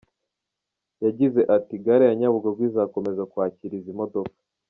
Yagize ati " Gare ya Nyabugogo izakomeza kwakira izi modoka.